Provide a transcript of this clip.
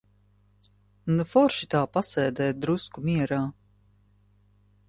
Nu forši tā pasēdēt drusku mierā.